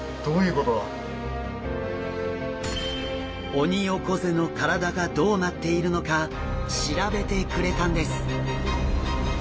オニオコゼの体がどうなっているのか調べてくれたんです。